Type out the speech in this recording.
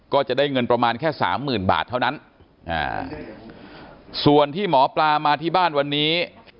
ก็จะได้เงินประมาณแค่สามหมื่นบาทเท่านั้นอ่าส่วนที่หมอปลามาที่บ้านวันนี้